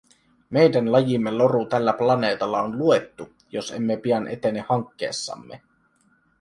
Meidän lajimme loru tällä planeetalla on luettu, jos emme pian etene hankkeessamme.